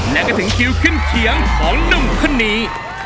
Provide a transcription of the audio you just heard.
และก็ถึงคิวขึ้นเขียงของหนุ่มคนนี้